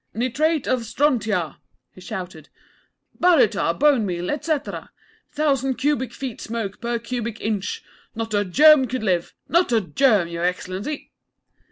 'Nitrate of strontia,' he shouted; 'baryta, bone meal, etcetera! Thousand cubic feet smoke per cubic inch. Not a germ could live not a germ, Y' Excellency!'